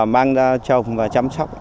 mang ra trồng và chăm sóc